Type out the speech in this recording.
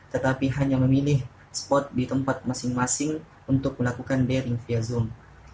tetapi hanya memilih spot di tempat masing masing untuk melakukan daring via zoom